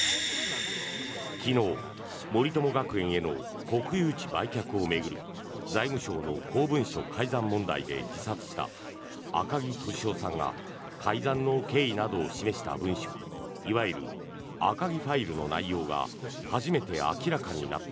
昨日、森友学園への国有地売却を巡る財務省の公文書改ざん問題で自殺した赤木俊夫さんが改ざんの経緯などを示した文書いわゆる赤木ファイルの内容が初めて明らかになった。